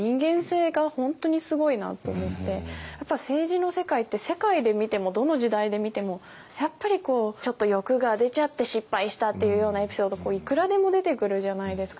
やっぱり政治の世界って世界で見てもどの時代で見てもやっぱりこうちょっと欲が出ちゃって失敗したっていうようなエピソードいくらでも出てくるじゃないですか。